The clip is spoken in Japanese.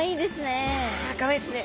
かわいいですね。